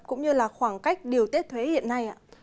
cũng như là khoảng cách điều tiết thuế hiện nay ạ